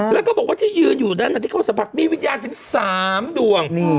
แล้วก็บอกว่าที่ยืนอยู่นั้นที่เขาสัมผัสมีวิญญาณถึง๓ดวง